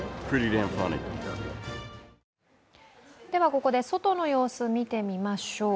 ここで外の様子見てみましょう。